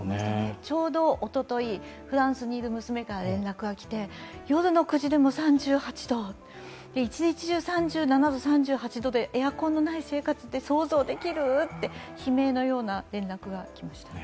ちょうどおととい、フランスにいる娘から連絡が来て夜の９時でも３８度、一日中３７度、３８度でエアコンのない生活って想像できる？って悲鳴のような連絡が来ました。